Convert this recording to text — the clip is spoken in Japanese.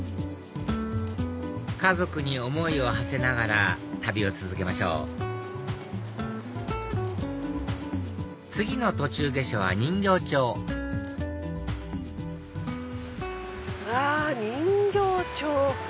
家族に思いをはせながら旅を続けましょう次の途中下車は人形町うわ人形町。